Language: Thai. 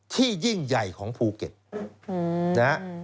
ที่ยิ่งใหญ่ของภูเก็ต